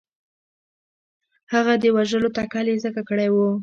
هغه د وژلو تکل یې ځکه کړی وو.